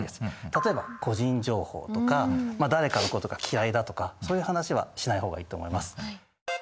例えば個人情報とか誰かのことが嫌いだとかそういう話はしない方がいいと思います。